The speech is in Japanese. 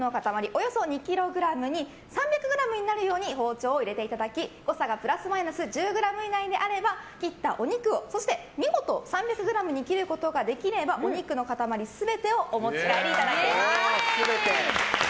およそ２ｋｇに３００ｇになるように包丁を入れていただき誤差がプラスマイナス１０ｇ以内であれば切ったお肉をそして見事３００ｇに切ることができればお肉の塊全てをお持ち帰りいただけます。